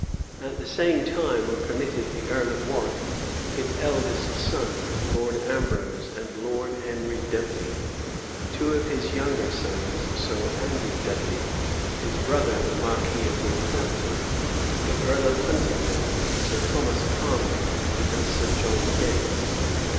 [*] At the same time were committed the earl of Warwick, his eldest son, Lord Ambrose and Lord Henry Dudley, two of his younger sons, Sir Andrew Dudley, his brother, the marquis of Northampton, the earl of Huntingdon, Sir Thomas Palmer, and Sir John Gates.